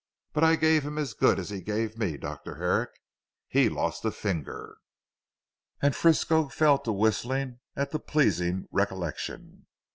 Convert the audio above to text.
But I gave him as good as he gave me Dr. Herrick. He lost a finger." And Frisco fell to whistling at the pleasing recollection.